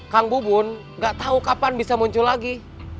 kang bubun nggak tahu kapan bisa muncul lagi